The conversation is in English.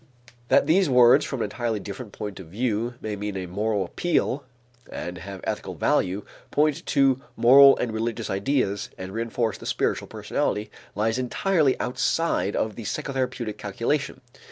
That these words from an entirely different point of view may mean a moral appeal and have ethical value, point to moral and religious ideas and reënforce the spiritual personality, lies entirely outside of the psychotherapeutic calculation.